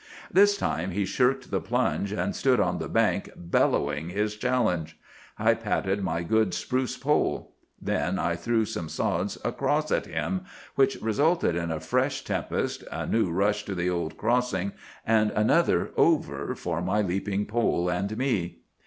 This time he shirked the plunge, and stood on the bank bellowing his challenge. I patted my good spruce pole. Then I threw some sods across at him, which resulted in a fresh tempest, a new rush to the old crossing, and another 'over' for my leaping pole and me.